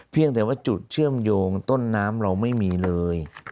เพียงแต่ว่าจุดเชื่อมโยงต้นน้ำเราไม่มีเลย